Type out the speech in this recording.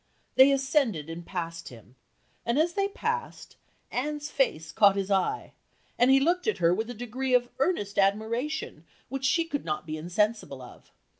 They ascended and passed him; and as they passed, Anne's face caught his eye, and he looked at her with a degree of earnest admiration which she could not be insensible of.